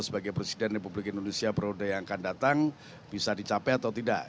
sebagai presiden republik indonesia periode yang akan datang bisa dicapai atau tidak